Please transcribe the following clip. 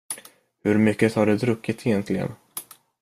Hur mycket har du druckit egentligen?